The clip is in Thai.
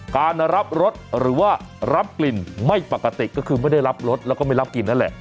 การรับรสหรือว่ารับกลิ่นไม่ปกติก็คือไม่ได้รับรสแล้วก็ไม่รับกลิ่นนั่นแหละ